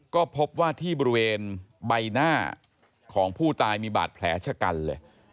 ก็พบว่าที่บริเวณใบหน้าของผู้ตายมีบาดแผลชะกันเลย